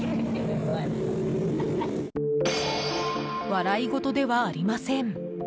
笑い事ではありません。